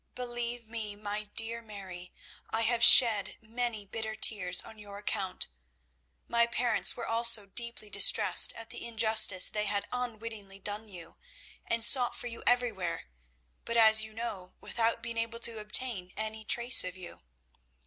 Believe me, my dear Mary, I have shed many bitter tears on your account. My parents were also deeply distressed at the injustice they had unwittingly done you, and sought for you everywhere; but, as you know, without being able to obtain any trace of you.